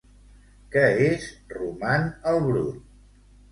Què és Roman el Brut?